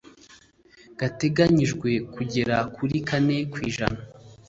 gateganyijwe kugera kuri kanae kwijana